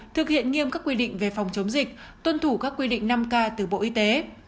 thực hiện nghiêm các quy định về phòng chống dịch tuân thủ các quy định năm k từ bộ y tế